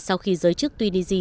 sau khi giới chức tuy di di